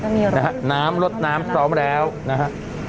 นะฮะน้ำลดน้ำพร้อมแล้วนะฮะ